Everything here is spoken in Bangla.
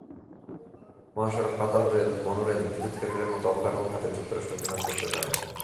মহাসড়ক, পাতালরেল, মনোরেল, বিদ্যুৎকেন্দ্রের মতো অবকাঠামো খাতে যুক্তরাষ্ট্র বিনিয়োগ করতে পারে।